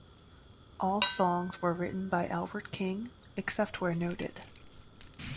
All songs were written by Albert King, except where noted.